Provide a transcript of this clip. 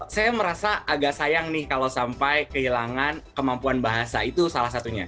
saya merasa agak sayang nih kalau sampai kehilangan kemampuan bahasa itu salah satunya